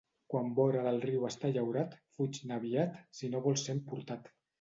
Quan vora del riu està llaurat, fuig-ne aviat si no vols ser emportat.